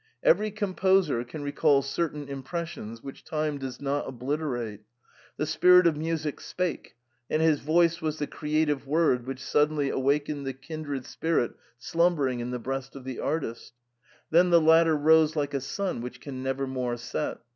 Every composer can recall certain impressions which time does not obliterate. The spirit of music spake, and his voice was the creative word which suddenly awakened the kindred spirit slumbering in the breast of the artist ; then the latter rose like a sun which can nevermore set.